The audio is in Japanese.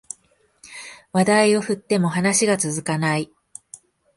話題を振っても話が続かない